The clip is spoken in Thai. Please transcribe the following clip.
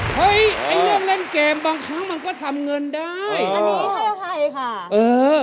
เฮ้ยไอ้เรื่องเล่นเกมบางครั้งมันก็ทำเงินได้อันนี้ให้อภัยค่ะเออ